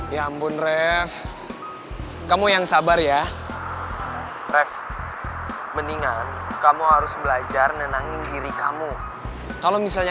ya ampun ref kamu yang sabar ya ref mendingan kamu harus belajar nenangin diri kamu kalau misalnya